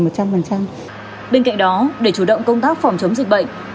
bên cạnh đó để chủ động công tác phòng chống dịch bệnh